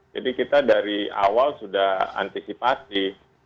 jadi kita dari awal sudah antisipasi